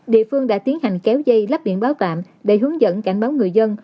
địa phương đã tiến hành kéo dây lắp biển báo tạm để hướng dẫn cảnh báo người dân